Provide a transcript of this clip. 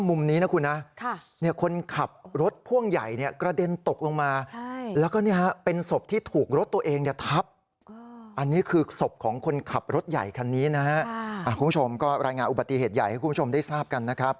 ผมไปเกรงเทียงแล้วรถตู้ข้างนั้นข้ามก่อมาเลย